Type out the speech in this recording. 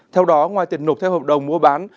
theo đó ngoài tiền nộp theo hợp đồng mua bán